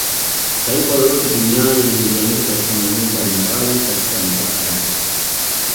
Taifa lolote duniani limegawanywa katika maeneo mbalimbali katika mipaka yake